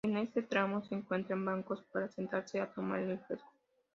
En este tramo se encuentran bancos para sentarse a tomar el fresco.